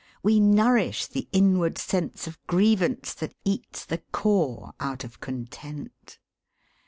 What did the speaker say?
We nourish the inward sense of grievance that eats the core out of content.